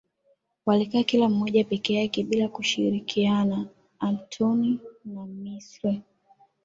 walikaa kila mmoja peke yake bila kushirikiana Antoni wa Misri